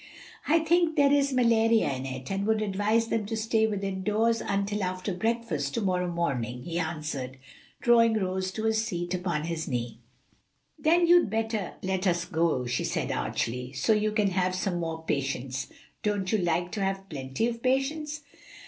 "I think there is malaria in it, and would advise them to stay within doors until after breakfast to morrow morning," he answered, drawing Rose to a seat upon his knee. "Then you'd better let us go," she said archly, "so you can have some more patients. Don't you like to have plenty of patients?"